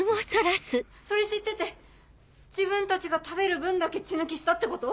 それ知ってて自分たちが食べる分だけ血抜きしたってこと？